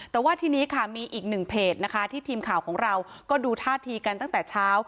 แต่ว่าทีนี้ค่ะมีอีกหนึ่งเพจนะคะที่ทีมข่าวของเราก็ดูท่าทีกันตั้งแต่เช้า